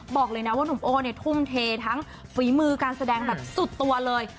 บอกเลยนะว่าหนุ่มโอ้เนี่ยทุ่มเททั้งฝีมือการแสดงแบบสุดตัวเลย